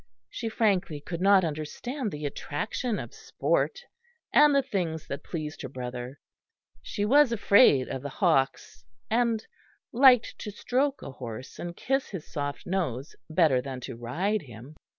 She frankly could not understand the attraction of sport, and the things that pleased her brother; she was afraid of the hawks, and liked to stroke a horse and kiss his soft nose better than to ride him.